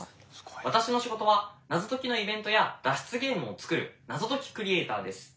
私の仕事は謎解きのイベントや脱出ゲームを作る謎解きクリエイターです。